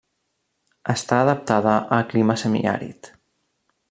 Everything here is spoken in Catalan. Està adaptada al clima semiàrid.